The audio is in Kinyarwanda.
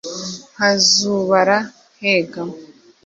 Nkazubara nkegama